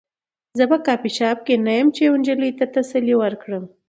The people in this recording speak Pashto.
زه په کافي شاپ کې نه یم چې یوې نجلۍ ته تسلي ورکړم